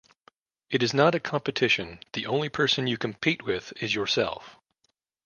It is not a competition, the only person you compete with is yourself.